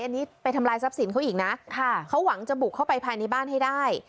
อันนี้ไปทำลายทรัพย์สินเขาอีกนะค่ะเขาหวังจะบุกเข้าไปภายในบ้านให้ได้